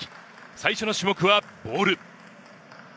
最初の種目はボール。